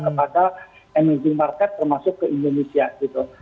energy market termasuk ke indonesia gitu